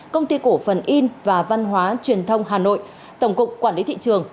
công ty cổ phần in và văn hóa truyền thông hà nội tổng cục quản lý thị trường